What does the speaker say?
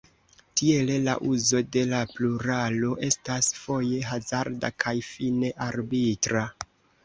Tiele la "uzo de la pluralo estas foje hazarda kaj fine arbitra".